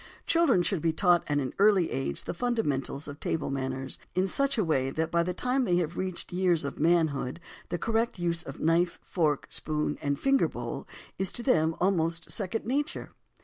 Children should be taught at an early age the fundamentals of "table" manners in such a way that by the time they have reached the years of manhood the correct use of knife, fork, spoon and fingerbowl is to them almost second nature.